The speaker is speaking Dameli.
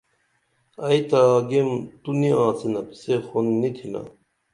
ائی تہ آگیم تو نی آڅِنپ سے خون نی تِھنا